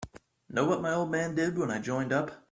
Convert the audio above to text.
Know what my old man did when I joined up?